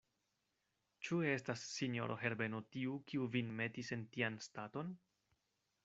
Ĉu estas sinjoro Herbeno tiu, kiu vin metis en tian staton?